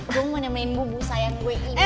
gue mau nyamain bubu sayang gue ini